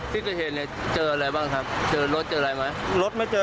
ที่เกิดเหตุเนี่ยเจออะไรบ้างครับเจอรถเจออะไรไหมรถไม่เจอ